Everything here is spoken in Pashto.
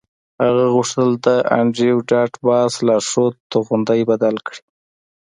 هغه غوښتل د انډریو ډاټ باس لارښود توغندی بدل کړي